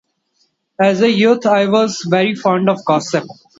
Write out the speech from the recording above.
As a youth, I was very fond of gossip.